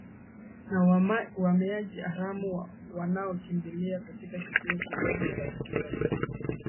na uhamiaji haramu wanaokimbilia katika kituo kidogo cha italia